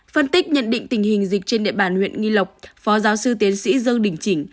phân tích nhận định tình hình dịch trên địa bàn huyện nghi lộc phó giáo sư tiến sĩ dương đình chỉnh